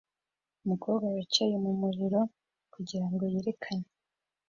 umukobwa wicaye mumuriro kugirango yerekane